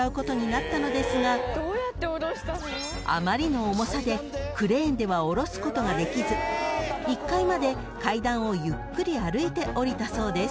［あまりの重さでクレーンでは下ろすことができず１階まで階段をゆっくり歩いて下りたそうです］